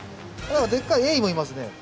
でっかいエイもいますね。